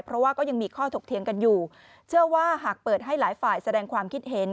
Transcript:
เพราะว่าก็ยังมีข้อถกเถียงกันอยู่เชื่อว่าหากเปิดให้หลายฝ่ายแสดงความคิดเห็น